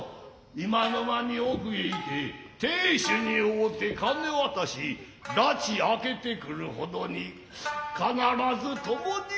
今の間に奥へ行て亭主におうて金渡し埒あけてくるほどに必ず共に女房じゃぞよ。